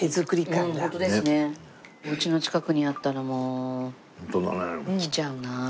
お家の近くにあったらもう来ちゃうな。